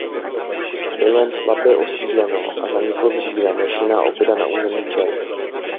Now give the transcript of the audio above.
Bylo jen slabě osídleno a zaniklo dříve než jiná oppida na území Čech.